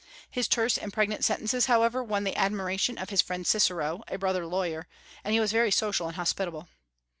His terse and pregnant sentences, however, won the admiration of his friend Cicero, a brother lawyer, and he was very social and hospitable.